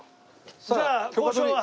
じゃあ交渉は？